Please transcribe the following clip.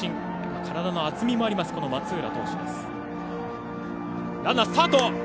体の厚みもあります、松浦投手。